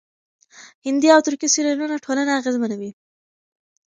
هندي او ترکي سريالونه ټولنه اغېزمنوي.